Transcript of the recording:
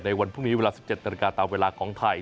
ในวันพรุ่งนี้๑๗นาทีตามเวลาของไทย